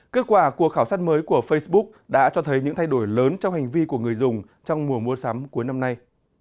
kết quả của khảo sát mới của facebook đã cho thấy những thay đổi lớn trong hành vi của người dùng trong mùa mua sắm cuối năm nay